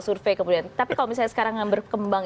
survei kemudian tapi kalau misalnya sekarang yang berkembang